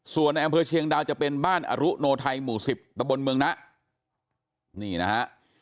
ส่วนในอำเภอเชียงดาวจะเป็นบ้านอรุโนไทยหมู่สิบตะบนเมืองนะนี่นะฮะ